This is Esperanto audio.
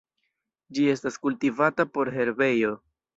Ĝi estas kultivata por herbejo.